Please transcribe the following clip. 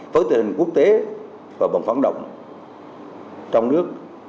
với tình hình quốc tế và bằng phán động trong nước